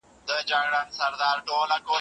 هیوادونو به سیاسي ستونزي حل کولې.